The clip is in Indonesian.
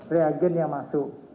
reagen yang masuk